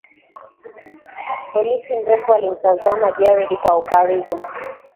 Polisi mrefu alimtazama Jared kwa ukaribu